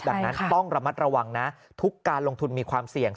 ดังนั้นต้องระมัดระวังนะทุกการลงทุนมีความเสี่ยง